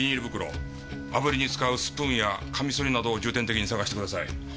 袋炙りに使うスプーンやカミソリなどを重点的に探してください。